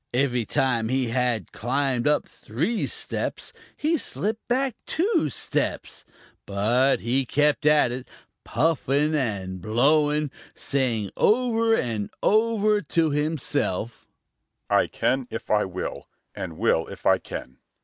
Every time he had climbed up three steps he slipped back two steps, but he kept at it, puffing and blowing, saying over and over to himself: "I can if I will, and will if I can!